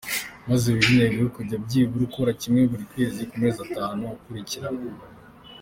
Maze wihe intego yo kujya byibura ukora kimwe buri kwezi ku mezi atanu akurikirana.